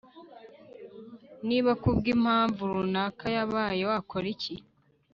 Niba kubwimpamvu runaka yabaye wakora iki